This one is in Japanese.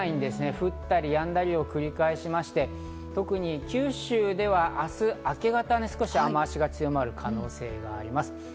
降ったりやんだりを繰り返しまして、特に九州では明日、明け方、雨脚が強まる可能性があります。